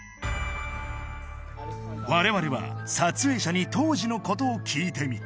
我々は撮影者に当時のことを聞いてみた